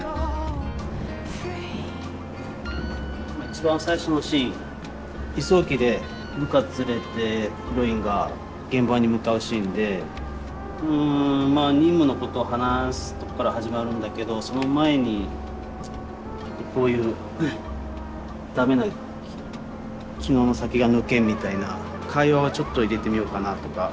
一番最初のシーン輸送機で部下連れてヒロインが現場に向かうシーンで任務のことを話すとこから始まるんだけどその前にちょっとこういう「ダメだ昨日の酒が抜けん」みたいな会話をちょっと入れてみようかなとか。